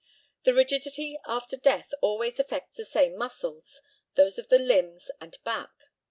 The rigidity after death always affects the same muscles those of the limbs and back.